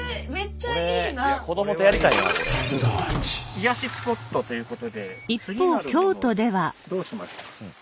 癒やしスポットということで次なるものどうしますか？